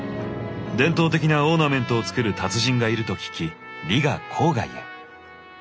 伝統的なオーナメントを作る達人がいると聞きリガ郊外へ。